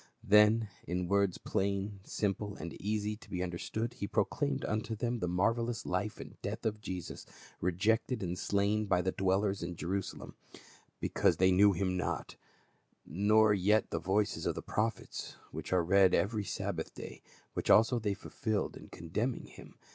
Then in words plain, simple and easy to be under stood he proclaimed unto them the marvelous life and death of Jesus, rejected and slain by the dwellers in Jerusalem, " because they knew him not, nor yet the voices of the prophets which are read every Sabbath day, which also they fulfilled in condemning him.